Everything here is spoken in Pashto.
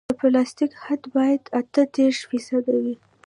د پلاستیک حد باید اته دېرش فیصده وي